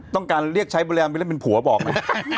ต้องการเรียกใช้บริราณไม่ได้เป็นผัวบอกมั้ย